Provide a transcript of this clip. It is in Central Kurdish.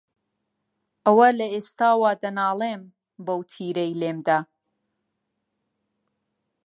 ئەوە لە ئێستاوە دەنالێم، بەو تیرەی لێم دا